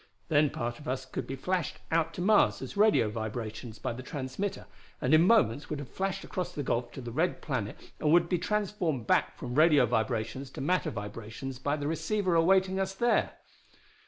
Then part of us could be flashed out to Mars as radio vibrations by the transmitter, and in moments would have flashed across the gulf to the red planet and would be transformed back from radio vibrations to matter vibrations by the receiver awaiting us there!